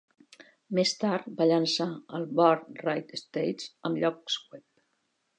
Més tard va llançar el Burr Ridge Estates, amb llocs web.